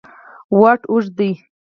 واټ اوږد دی.